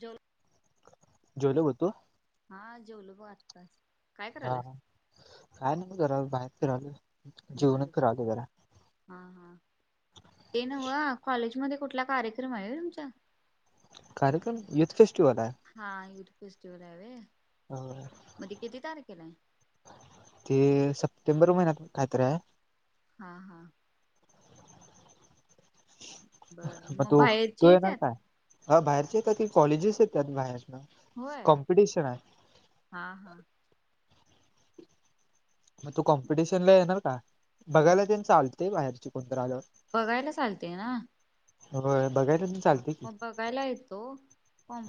जल जेवलो होतो. हा जेवलो आत्तााच. हा काय नाही म कराल बाहेर फिराल. बरं हा हा ते नव्ह कॉलेजमध्ये कुठला कार्यक्रम आहे तुमचा? कार्यक्रम युथ फेस्टिवल आहे. हा युथ फेस्टिवल आहे व्हय. हो मग ते किती तारखेला आहे? ते सप्टेंबर महिन्यात कायतरी आहे. हा हां बर मग तु बाहेरची तू येणार येत्यात काय बाहेरचे येतात की कॉलेजेस येतात बाहेरन. व्हय हा हा. मग तू कॉम्पिटिशन ला येणार का बघायला ते चालतेय बाहेरची कोणतर आल्यावर बघायला चालते ना. हो बघायच हा मग बघायला येतो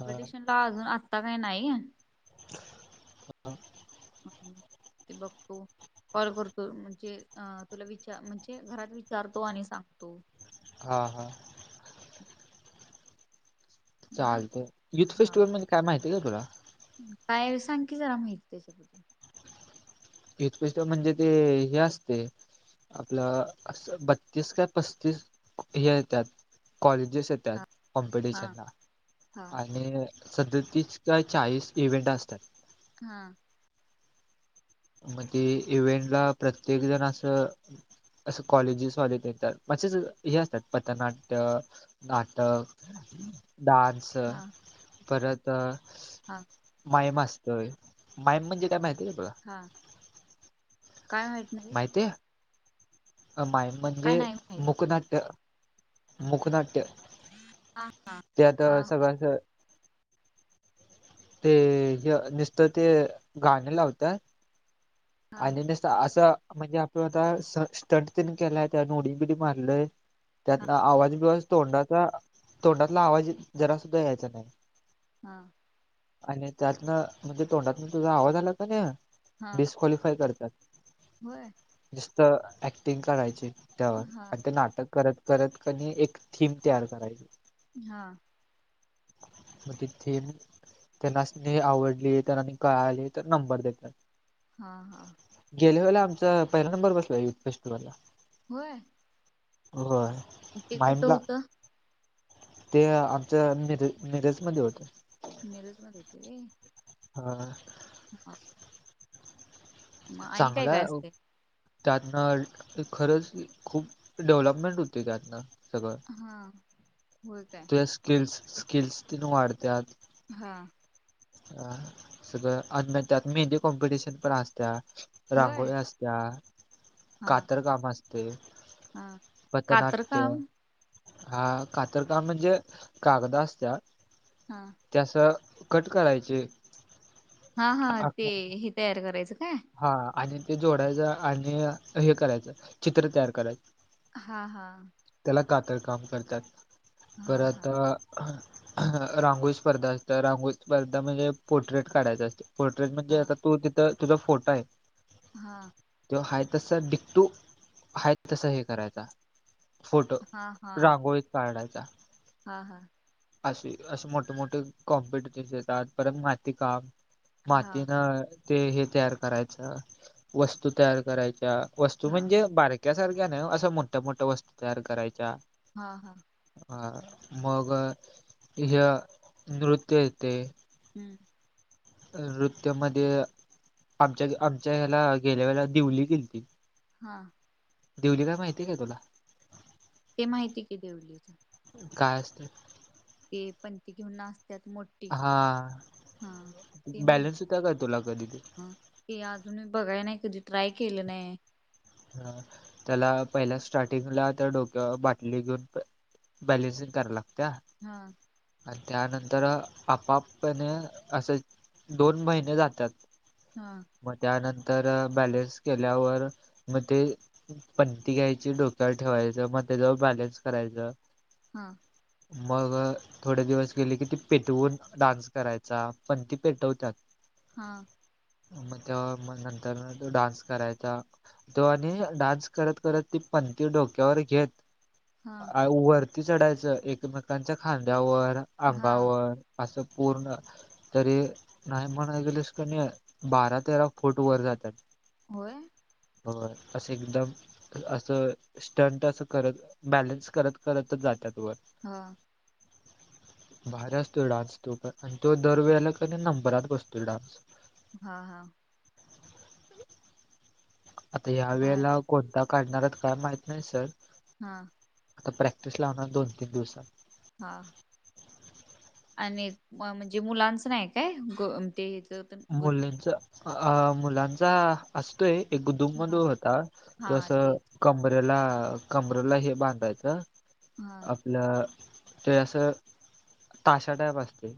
हा ला अजून आत्ता काही नाही. ह [inaudible] ते बघू कॉल करतो. म्हणजे अ तुला विचार म्हणजे घरात विचारतो आणि सांगतो. हा हा. अ चालत युथ हा फेस्टिवल म्हणजे काय माहिती आहे का तुला? काय सांग की जरा माहित त्याच्याबद्दल यथपैस [unintelligible] म्हणजे ते हे असते. आपलं अस बत्तीस काय पस्तीस हे येतात कॉलेजेस येत. हा कॉम्पिटिशन ला हा आणि सध्या तीस काय चाळीस इव्हेंट असतात. हा. मग ते इव्हेंटला प्रत्येक जण असं असं कॉलेजेसवाले ते तर मेच हे असतात. पथनाट्य नाटक, डान्स, हा परत हा माईम असतोय, माईम म्हणजे काय माहिती का तुला? हा काय व्हायला माहिती? मायम म्हणजे काय नाही माहित मुकनाट्य, मुकनाट्य त्या हा आता सगळं अस ते नुसतं ते गाणं लावतात हा आणि न असं म्हणजे आपण आता स स्टंट तनी केलाय त्या उडी बिडी मारलय त्यातन हा आवाज बिवाज तोंडाचा, तोंडातला आवाज जरा सुद्धा यायचा नाही. हां. आणि त्यातनं म्हणजे तोंडातन तुझा आवाज आला की नाही हा. क्वालिफाय करतात. व्हय. निस्त ऍक्टिंग करायचे त्यावर हा आणि ते नाटक करत करत की नाय एक थीम तयार करायची. हा. [inaudible] मग ति थिम त्यांनासणी आवडली आणि कळाली तर नंबर देतात. हा, हा, गेल्या वेळेला आमचा पहिला नंबर बसला युथ फेस्टिवलला. होय. होय. ते कुठं माईमला होतं? ते आमच्या मिर मिरजमध्ये होत. मिरज मध्ये येतं व्हय. हा. ह [unintelligible] काय काय चांगलय ओ. असते त्यातनं खरंच खूप डेव्हलपमेंट होते त्यातनं सगळं हा होय काय. आपल्या स्किल्स, स्किल्स तिन वाढत्यात. हा. अ सगळंत अन् म त्यात मेहंदी कॉम्पिटिशन पण असत्या होय रांगोळी असत्या त्या हा कातरकाम असते हा कातर पथनाट्य काम हा कातर काम म्हणजे कागदा असत्या हा. ते अस कट करायचे हा, हा, आ- ते हे तयार करायचं काय? हा आणि ते जोडायचं आणि हे करायचं चित्र तयार करायचं. हा, हा, त्याला कातरकाम करतात. हा परत हा रांगोळी स्पर्धा असतय रांगोळी स्पर्धा म्हणजे पोर्ट्रेट काढायच असत पोर्ट्रेट म्हणजे हा आता तू तिथं तुझा फोटो आहे हां त्यो आहे तसं डिकटू आहे तसं हे करायचा फोटो हा हा रांगोळीत काढायचा हा हा असं असे मोठे मोठे कॉम्पिटिशनस येतात परत माती काम मातीनं ते हे तयार करायचं वस्तू तयार करायच्या वस्तू हा म्हणजे बारक्यासारख्या नाही असं मोठ्या मोठ्या वस्तू तयार करायच्या हां हां अ मग ह्य नृत्य येतंय हम्म नृत्यमध्ये आमच्या आमच्या ह्याला गेल्या वेळेला दिवली केलती हा दिवली काय माहिती काय तुला ते माहिती कि दिवली काय असतं ते पणती घेऊन नाचतात मोठ हा ते बॅलन्स होतंय का तुला कधी की अजून मी बघाय नाही कधी ट्राय केलं नाही हा त्याला पहिल्या स्टार्टिंगला त्या डोक्यावर बाटली घेऊन बॅलन्स कराय लागत्या हा आणि त्यानंतर आपाप कनी असं दोन महिने जातात हा मग त्यानंतर बॅलेन्स केल्यावर मग ते पणती घ्यायची डोक्यावर ठेवायचं मग त्याच्यावर बॅलन्स करायचं हा मग थोडे दिवस गेले की ती पेटवून डान्स करायचा पणती पेटवतात हा मग तो‌ मग नंतरन तो डान्स करायचा तो आणि डान्स करत करत ती पणती डोक्यावर घेत हा वर ती चढायचं एकमेकांच्या खांद्यावर हा अंगावर असं पूर्ण तरी नाही म्हणाय गेलंस कनी बारा तेरा फुट वर जातात होय हो असं एकदम असं स्टंट असं करत बॅलन्स करत करतच जात वर हा आवाज नाही भारी असतोय डान्स तो पण आणि तो दर वेेळेला कनी नंबरात बसतोय डान्स हा हा आता भार यावेळेला कोणता काढणार आहेत काय माहीत नाही सर हा आता प्रॅक्टिस लावणार दोन तीन दिवसात हा आणि म्हणजे मुलांचं नाही काय ग ते इथ मुलींचा मुलांचा असतोय एक ग हा दुममधू होता तो हा असं तेच कमंरेला कमंरेला हे बांधायचं हां आपल ते असं ताशा टाईप असतय.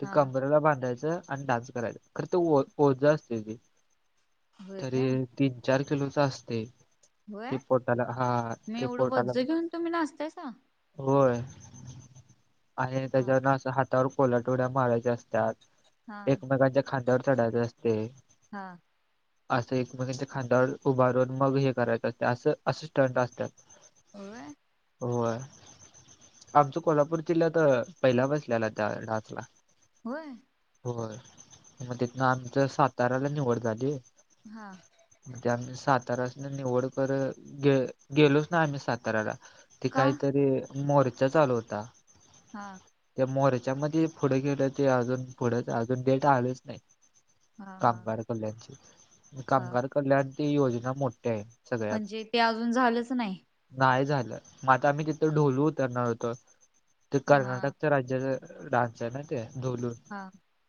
ते हा कमरला बांधायचं आणि डान्स करायच खरं ते ओ ओझ असतय ते होय काय तरी तीन चार किलोचा असते. होय ते पोटाला हा म ते एवढं पोटाला वज्ज घेऊन तुम्ही नाचतायसा. होय आणि हा त्याच्यावरण असं हातावर कोलाटया उड्या मारायच्या अस त्यात हा एकमेकांच्या खांद्यावर चढायचे असते. असं एकमेकच्या खांदा्यावर उभारून मग हे करायचं असते असं असे स्टंट असत्यात. होय. होय आमच कोल्हापूर जिल्ह्यात पहिला बसलेला त्या डान्सला होय. होय. म तिथन आमचां साताऱ्याला निवड झाली. हा ते आमचां साताऱ्यांसनी निवड कर गे गेलोच ना आम्ही साताराला ते का कायतरी मोर्चा चालू होता. हां त्या मोर्याच्या मध्ये पुढं गेलं ते अजून पुढं अजून डेटा आलंच नाही. हा हा कामगार कल्याणची मं हा कामगार कल्याणची योजना मोठी हाय. म्हणजे ते अजून झालंच नाही. नाही झालं म आता आम्ही तिथं ढोलू उतरणार होतो ते हा कर्नाटकच्या राज्याच डान्स नं ते डोलू हा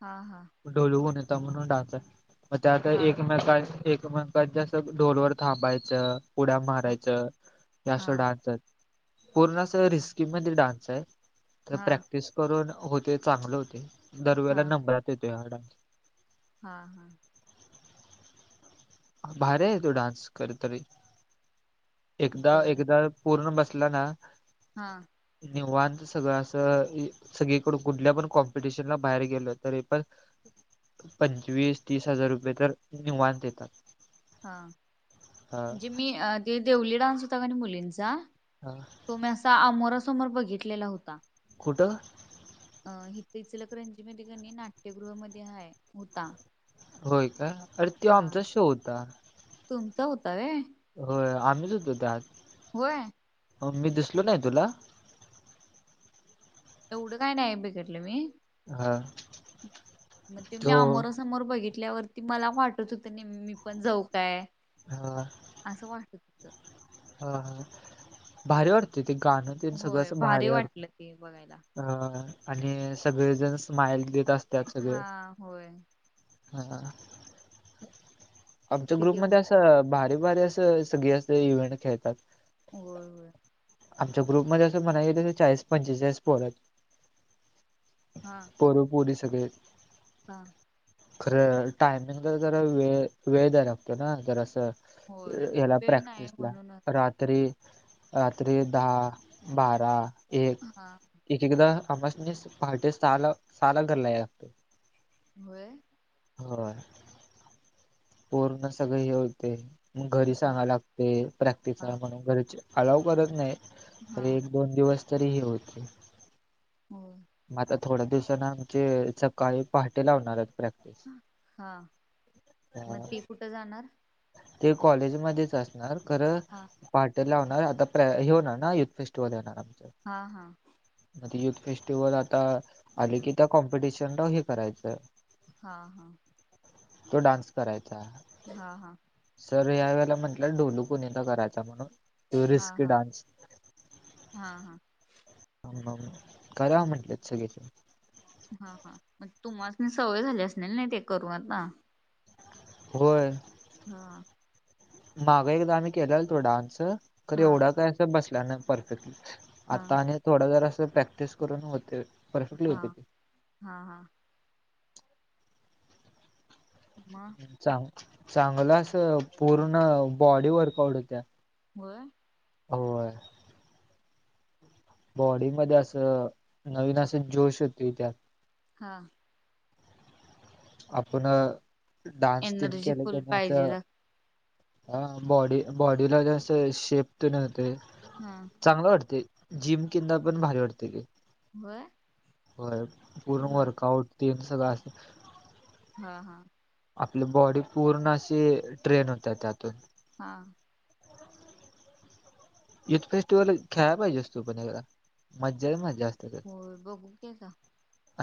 हा हा ढोलुगणता म्हणून डान्स आहे म त्या आत हा एक म काय एक मंथ मेकांच्या अस ढोलवर थांबायचं उड्या हा मारायचं या असं हा डान्स येत. पूर्ण अस रिस्की मध्ये डान्स हाय तर हा प्रॅक्टिस करून होते चांगले होते दरवेळेला हा नंबरात येतोय हा डान्स. हा हा भारी आहे तो डान्स कर तरी एकदा बरं एकदा पूर्ण बसला ना हा निवांत सगळं असं इ सगळीकडून कुठल्या पण कॉम्पिटिशन ला बाहेर गेल तरी पण पंचवीस तीस हजार रुपये तर निवांत येतात. हा हा म्हणजे मी ते देवली डान्स होता कनाय मुलींचा हा तो मी असा अमोरासमोर बघितलेला होता. कुठं? अ हित ईचलकरंजीमध्ये कणी नाट्यगृहामध्ये आहे होता. होय का अरे त्यो हा आमचा शो होता. तुमचा होता काय? होय आम्हीच होतो त्यात मी दिसलो नाय तुला एवढं काय नाय बेघटलं मी हा म ते मी तो आमोरा स समोर बघितल्यावरती मला वाटत होतं ने मी पण जाऊ काय? हा असं वाटत होतं. हा हा भारी वाटतय ते गाणं तेनं सगळं होय असं भारी वाटतय. वाटलं ते बघायला हं आणि सगळेजण स्माइल देत असत्यात हा सगळ होय हा आमच्या ती ग्रुपमध्ये देवली असं... भारी भारी असं... सगळी असं इव्हेंट खेळतात होय होय आमच्या ग्रुपमध्ये... असं म्हणायला गेलं कि... चाळीस पंचेचाळीस पोरं हेत हां पोरं पोरी सगळी हेत हां खरं... टायपिंगला जरा वेळ... वेळ द्यायला लागतो ना जरासं होय ह्याला.. वेळ नाही प्रॅक्टिसला... म्हणूनच रात्री रात्री दहा... बारा... एक हा एक एकदा आमास्नी... पहाटे सहाला... सहाला घरला यायला लागतंय व्हय? होय पोरं ना... सगळी येऊच देत... मग घरी हा सांगायला लागतंय प्रॅक्टिस हाय हा म्हणून घरचे अलाउ करत नाहीत... हा खरं... एक दोन दिवस तरी हे होतंय होय आता थोड्या दिवसानं... आमचे... सकाळी पहाटे लावणार हेत प्रॅक् हा... अ मग ती कुठं जाणार? ते कॉलेजमध्येच असणार... खरं हा पहाटं लावणार आता... प्रॅ... हे होणार ना... युथ फेस्टिवल येणार आमचं हा हा मग ते युथ फेस्टिवल आता... आलं की त्या कॉम्पिटिशनला हे करायचं हा हा तो डान्स करायचा हा हा सर ह्या वेळेला म्हंटल्यात... ढोलू कुणीता करायचा म्हणून तो रिस्की हाहा... डान्स हाहा [unintelligible] करा म्हंटलेत सगळेजण हा हा... मग तुम्हासनी सवय झाली असणार नई.. ते करून आता होय हा मागं एकदा आम्ही केलेला तो डान्स... खरं... हा एवढा काय असं बसला नाई परफेक्ट हा आत्ता आणि थोडा... जरासं प्रॅक्टिस करून होतंय हा... हाहा मग चांग... चांगलं.. असं पूर्ण... बॉडी वर्कआउट होत्या व्हय? होय बॉडी मध्ये असं... नवीन असं... जोश येतोय त्यात हा आपण... डान्स त्येन एनर्जी केलं फुल कणी असं पाहिजेला हा... बॉडी... बॉडीला असं शेप तेन येतोय हा चांगलं वाटतंय... जिम किंदा पण भारी वाटतंय ते व्हय होय.. पूर्ण वर्कआउट... तेन सगळं असतं हा हा आपली बॉडी पूर्ण अशी... ट्रेन होते त्यातून हा युथ फेस्टिवल खेळाय पाहिजे असतो... पण एकदा... मज्जा ही मज्जा असते हो बघू की आता....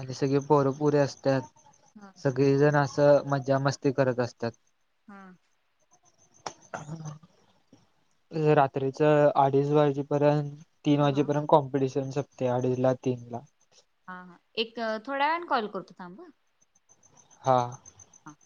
आणि सगळे पोर पोरी असतात. हां..... सगळेजण असं मजा मस्ती करत असतात... हा.... रात्री.... अडीच वाजेपर्यंत तीन हा वाजेपर्यंत कॉम्पिटिशन संपते अडीच ला तीन ला..... हा हा एक थोड्या वेळान कॉल करतो थांब हा. हा.... हां....